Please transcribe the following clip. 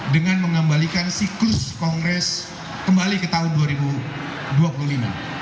dengan mengembalikan siklus kongres kembali ke tahun dua ribu dua puluh lima